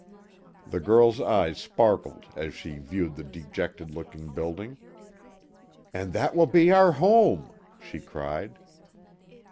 The girl's eyes sparkled as she viewed the dejected looking building, "And that will be our home!" she cried.